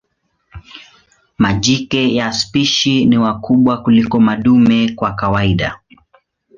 Majike ya spishi ni wakubwa kuliko madume kwa kawaida.